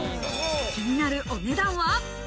気になるお値段は。